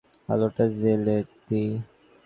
আলোটা জ্বেলে দিই।